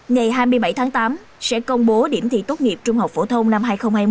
ngày hai mươi bảy tháng tám sẽ công bố điểm thi tốt nghiệp trung học phổ thông năm hai nghìn hai mươi